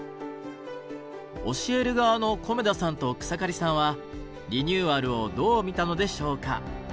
教える側の米田さんと草刈さんはリニューアルをどう見たのでしょうか？